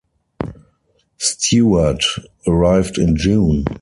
Stewart arrived in June.